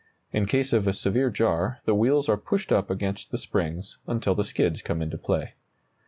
In case of a severe jar, the wheels are pushed up against the springs until the skids come into play.